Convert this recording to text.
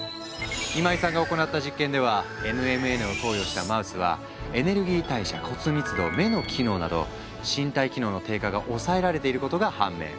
今井さんが行った実験ではＮＭＮを投与したマウスはエネルギー代謝骨密度目の機能など身体機能の低下が抑えられていることが判明。